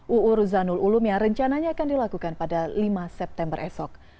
uu ruzanul ulum yang rencananya akan dilakukan pada lima september esok